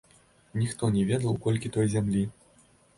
Ніхто не ведаў, колькі той зямлі.